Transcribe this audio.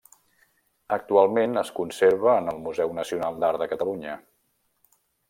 Actualment es conserva en el Museu Nacional d'Art de Catalunya.